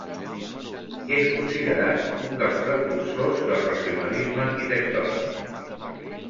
És considerat un dels precursors del racionalisme arquitectònic.